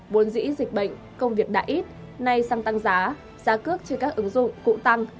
vốn dĩ dịch bệnh công việc đã ít nay xăng tăng giá giá cước trên các ứng dụng cũng tăng